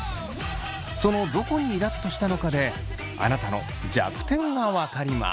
そのどこにイラっとしたのかであなたの弱点が分かります。